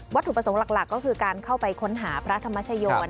ถูกประสงค์หลักก็คือการเข้าไปค้นหาพระธรรมชโยน